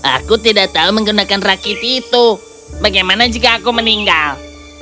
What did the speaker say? aku tidak tahu menggunakan rakit itu bagaimana jika aku meninggal